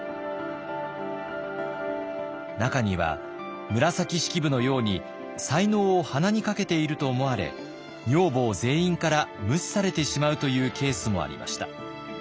中には紫式部のように才能を鼻にかけていると思われ女房全員から無視されてしまうというケースもありました。